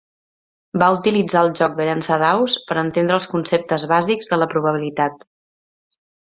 Va utilitzar el joc de llançar daus per entendre els conceptes bàsics de la probabilitat.